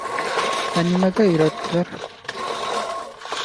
— Ә нимәгә өйрәттеләр?